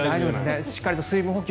しっかりと水分補給。